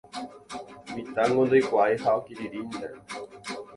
Mitãngo ndoikuaái ha okirirĩnte.